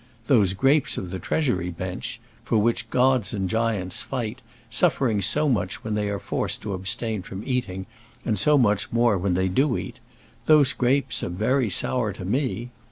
Those grapes of the Treasury bench, for which gods and giants fight, suffering so much when they are forced to abstain from eating, and so much more when they do eat, those grapes are very sour to me.